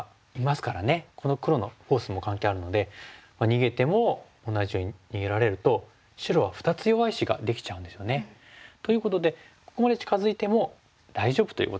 この黒のフォースも関係あるので逃げても同じように逃げられると白は２つ弱い石ができちゃうんですよね。ということでここまで近づいても大丈夫ということが分かります。